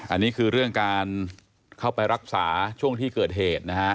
อันนี้คือเรื่องการเข้าไปรักษาช่วงที่เกิดเหตุนะฮะ